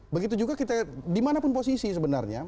begitu juga kita dimanapun posisi sebenarnya